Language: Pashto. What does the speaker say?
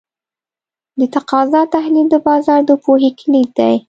د تقاضا تحلیل د بازار د پوهې کلید دی.